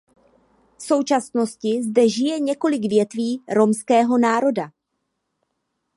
V současnosti zde žije několik větví romského národa.